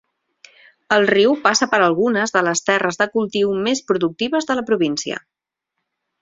El riu passa per algunes de les terres de cultiu més productives de la província.